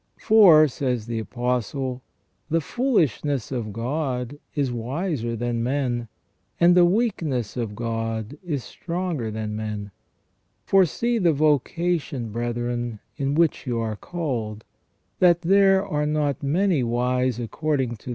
"For," says the Apostle, " the foolishness of God is wiser than men, and the weakness of God is Stronger than men. For see the vocation, brethren, in which you are called, that there are not many wise according to ON EVIL AND THE ORIGIN OF EVIL.